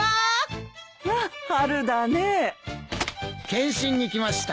検針に来ました。